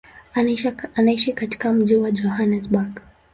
Anaishi katika mji wa Johannesburg.